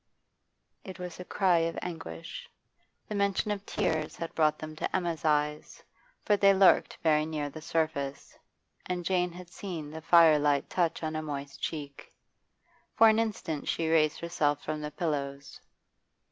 It was a cry of anguish. The mention of tears had brought them to Emma's eyes, for they lurked very near the surface, and Jane had seen the firelight touch on a moist cheek. For an instant she raised herself from the pillows.